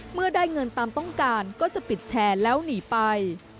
เมื่อได้เงินตามต้องการก็จะปิดแชร์แล้วหนีไป